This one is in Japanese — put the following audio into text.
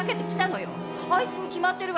あいつに決まってるわよ。